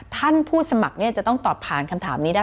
ท่านผู้สมัครจะต้องตอบผ่านคำถามนี้ได้